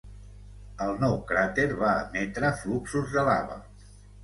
El nou cràter va emetre fluxos de lava.